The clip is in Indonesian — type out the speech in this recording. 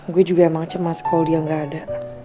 gue juga emang cemas kalo dia ga ada